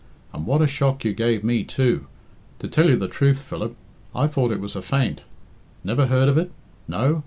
And what a shock you gave me, too! To tell you the truth, Philip, I thought it was a fate. Never heard of it? No?